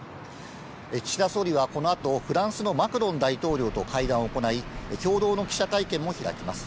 岸田総理はこのあと、フランスのマクロン大統領と会談を行い、共同の記者会見も開きます。